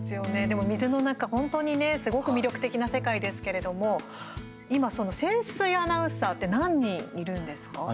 でも、水の中本当にね、すごく魅力的な世界なんですけども今、その潜水アナウンサーって何人いるんですか？